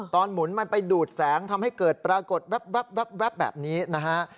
หมุนมันไปดูดแสงทำให้เกิดปรากฏแว๊บแบบนี้นะฮะ